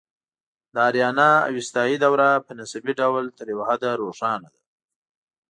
د آریانا اوستایي دوره په نسبي ډول تر یو حده روښانه ده